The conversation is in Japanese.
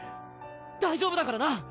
大丈夫だからな！